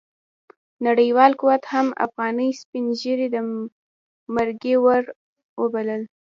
نړیوال قوت هم افغاني سپين ږيري د مرګي وړ وبلل.